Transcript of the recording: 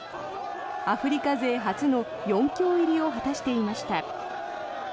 アフリカ勢初の４強入りを果たしていました。